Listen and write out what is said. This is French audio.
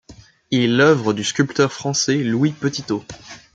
Il est l'œuvre du sculpteur français Louis Petitot.